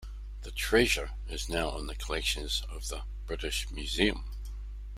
The treasure is now in the collections of the British Museum.